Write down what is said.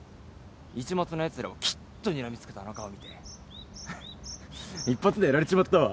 市松のやつらをキッとにらみつけたあの顔見て一発でやられちまったわ。